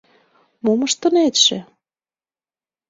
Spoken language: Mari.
— Мом ыштынетше?